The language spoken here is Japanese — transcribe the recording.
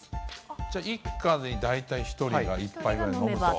じゃあ、一家に大体１人が１杯ぐらい飲むと。